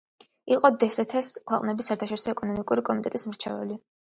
იყო დსთ-ს ქვეყნების საერთაშორისო ეკონომიკური კომიტეტის მრჩეველი.